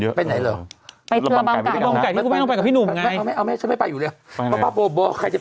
คนเยอะครับไปไหนแล้ว